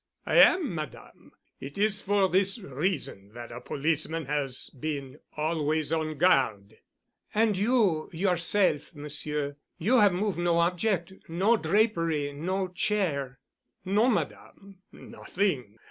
"I am, Madame. It is for this reason that a policeman has been always on guard." "And you yourself, Monsieur,—you have moved no object—no drapery—no chair?" "No, Madame. Nothing.